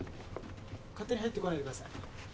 勝手に入ってこないでください。